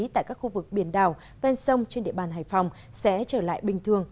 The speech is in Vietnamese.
tại các khu vực biển đảo ven sông trên địa bàn hải phòng sẽ trở lại bình thường